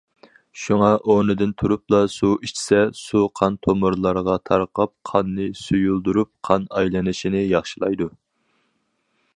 شۇڭا ئورنىدىن تۇرۇپلا سۇ ئىچسە، سۇ قان تومۇرلارغا تارقاپ، قاننى سۇيۇلدۇرۇپ، قان ئايلىنىشنى ياخشىلايدۇ.